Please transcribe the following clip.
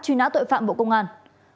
truy nã tội phạm bộ công an